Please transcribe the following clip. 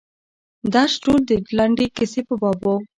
درس ټول د لنډې کیسې په باب و.